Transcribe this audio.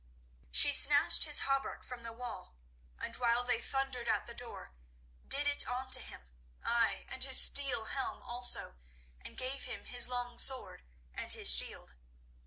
She snatched his hauberk from the wall, and while they thundered at the door, did it on to him—ay, and his steel helm also, and gave him his long sword and his shield.